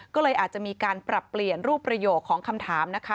ก็เลยอาจจะมีการปรับเปลี่ยนรูปประโยคของคำถามนะคะ